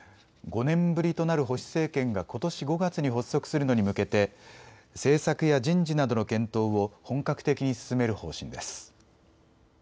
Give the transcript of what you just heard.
５年ぶりとなる保守政権がことし５月に発足するのに向けて政策や人事などの検討を本格的に進める方針です。